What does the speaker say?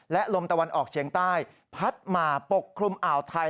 และลมตะวันออกเชียงใต้พัดมาปกคลุมอ่าวไทย